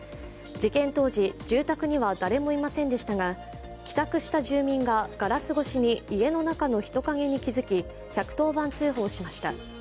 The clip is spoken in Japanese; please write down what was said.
事件当時、住宅には誰もいませんでしたが帰宅した住民がガラス越しに家の中の人影に気づき、１１０番通報しました。